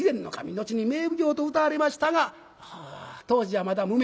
後に名奉行とうたわれましたが当時はまだ無名。